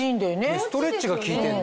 ストレッチが利いてんだ。